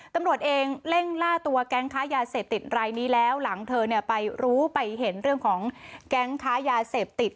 ตำรวจเองเร่งล่าตัวแก๊งค้ายาเสพติดรายนี้แล้วหลังเธอเนี่ยไปรู้ไปเห็นเรื่องของแก๊งค้ายาเสพติด